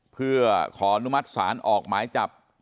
เพื่อขออนุมัติศาลออกหมายจับ